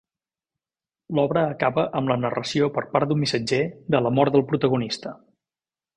L'obra acaba amb la narració per part d'un missatger de la mort del protagonista.